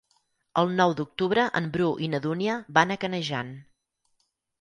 El nou d'octubre en Bru i na Dúnia van a Canejan.